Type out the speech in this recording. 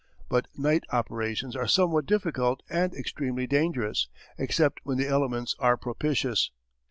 But night operations are somewhat difficult and extremely dangerous, except when the elements are propitious.